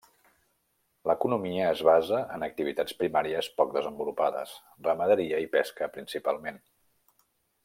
L'economia es basa en activitats primàries poc desenvolupades: ramaderia i pesca principalment.